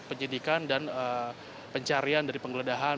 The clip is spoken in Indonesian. penyidikan dan pencarian dari penggeledahan